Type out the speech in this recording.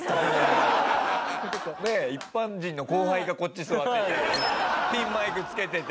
ねえ一般人の後輩がこっち座っててピンマイクつけてて。